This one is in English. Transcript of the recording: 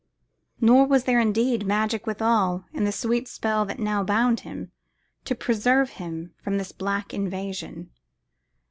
Nor was there indeed magic withal, in the sweet spell that now bound him, to preserve him, from this black invasion.